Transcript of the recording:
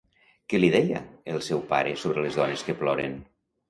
Què li deia el seu pare sobre les dones que ploren?